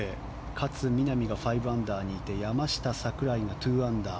勝みなみが５アンダーにいて山下、櫻井が２アンダー。